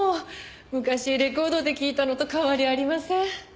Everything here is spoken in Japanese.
昔レコードで聞いたのと変わりありません。